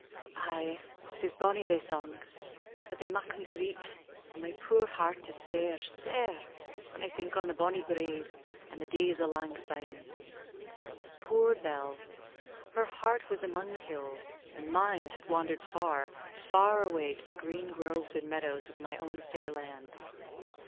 "Ay, 'tis bonnie thae songs; but they mak' me greet, an' my puir heart is sair, sair when I think on the bonnie braes and the days o'lang syne." Poor Bell! Her heart was among the hills, and mine had wandered far, far away to the green groves and meadows of my own fair land.